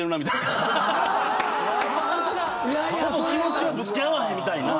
ほぼ気持ちをぶつけ合わへんみたいな。